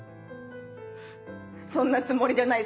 「そんなつもりじゃない」